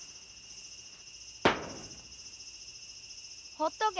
ほっとけ。